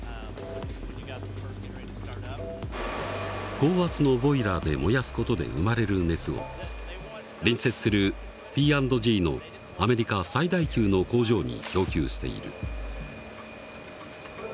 高圧のボイラーで燃やす事で生まれる熱を隣接するＰ＆Ｇのアメリカ最大級の工場に供給している。